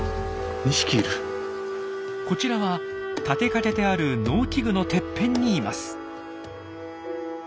こちらは立てかけてある農機具のてっぺんにいます。